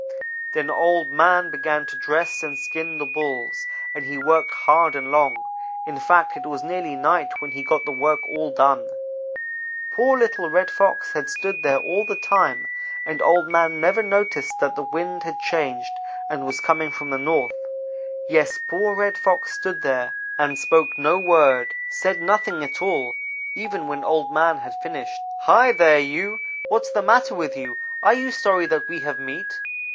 "Then Old man began to dress and skin the Bulls, and he worked hard and long. In fact it was nearly night when he got the work all done. "Poor little Red Fox had stood there all the time, and Old man never noticed that the wind had changed and was coming from the north. Yes, poor Red Fox stood there and spoke no word; said nothing at all, even when Old man had finished. "'Hi, there, you! what's the matter with you? Are you sorry that we have meat?